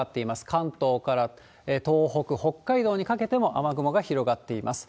関東から東北、北海道にかけても、雨雲が広がっています。